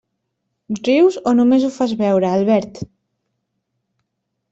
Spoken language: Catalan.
Rius o només ho fas veure, Albert?